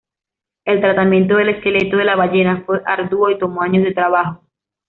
El tratamiento del esqueleto de la ballena fue arduo y tomó años de trabajo.